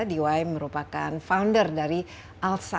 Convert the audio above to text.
diwai merupakan founder dari alzheimer